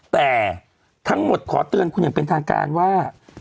แต่ทั้งหมดขอเตือนคุณอย่างเป็นทางการว่า